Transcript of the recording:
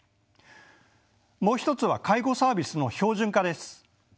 もう一つは介護サービスの標準化です。